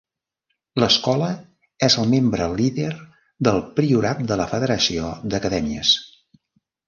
L'escola és el membre líder del Priorat de la Federació d'Acadèmies.